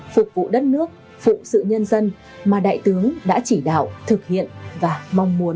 phục vụ đất nước phụ sự nhân dân mà đại tướng đã chỉ đạo thực hiện và mong muốn